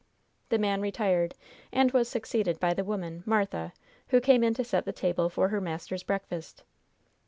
The man retired, and was succeeded by the woman, Martha, who came in to set the table for her master's breakfast.